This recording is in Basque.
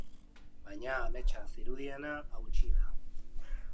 Baina ametsa zirudiena hautsi da.